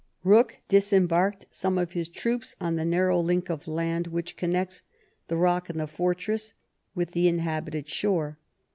Rooke disembarked some of his troops on the narrow link of land which connects the rock and the fortress with the inhabited shore.